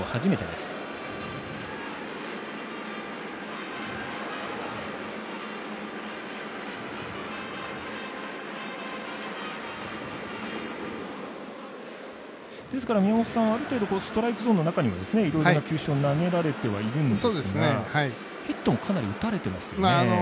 ですから、宮本さん、ある程度ストライクゾーンの中にもいろんな球種を投げられてはいるんですがヒットもかなり打たれてますよね。